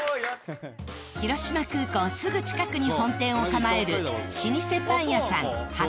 広島空港すぐ近くに本店を構える老舗パン屋さん八